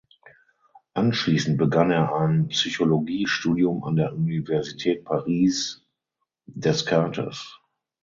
Anschließend begann er ein Psychologiestudium an der Universität Paris Descartes.